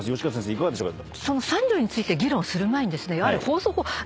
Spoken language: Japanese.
いかがでしょうか？